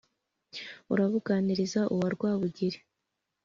arabúganiriza uwa rwábugiri